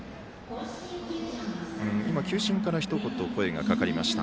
今、球審からひと言、声がかかりました。